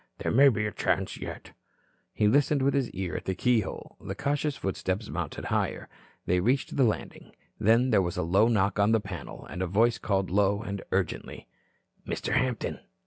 "There may be a chance yet." He listened with his ear at the keyhole. The cautious footsteps mounted higher. They reached the landing. Then there was a low knock on the panel, and a voice called low and urgently: "Mr. Hampton.